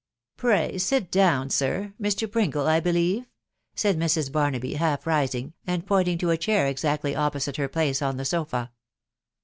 " Pray sit down, sir !.... Mr. Pringle, I believe ?" said Mrs. Barnaby, half rising, and pointing to a chair exactly op posite her place upon the sofa.